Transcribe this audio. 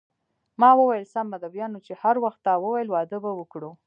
ما وویل: سمه ده، بیا نو چې هر وخت تا وویل واده به وکړو.